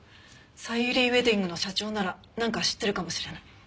さゆりウェディングの社長ならなんか知ってるかもしれない。